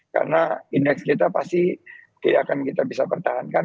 karena indeks kita pasti tidak akan kita bisa pertahankan